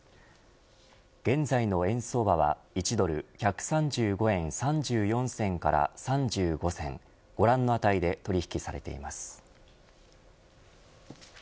現在の円相場は１ドル１３５円３４銭から３５銭ご覧の値で取り引きされています。